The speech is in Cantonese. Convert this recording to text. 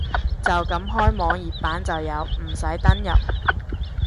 就咁開網頁版就有，唔使登入